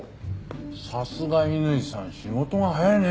さすが乾さん仕事が早いね。